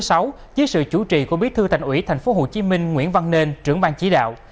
dưới sự chủ trì của bí thư thành ủy tp hcm nguyễn văn nên trưởng ban chí đạo